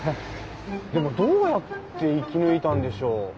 でもどうやって生き抜いたんでしょう？